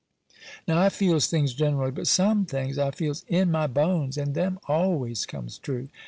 Now I feels things gen'rally, but some things I feels in my bones, and them always comes true.